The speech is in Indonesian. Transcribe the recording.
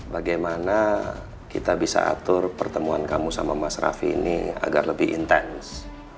bagaimana kita bisa atur pertemuan kamu sama mas raffi ini agar lebih intens